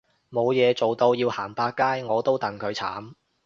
冇嘢做到要行百佳我都戥佢慘